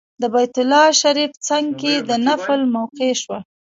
د بیت الله شریف څنګ کې د نفل موقع شوه.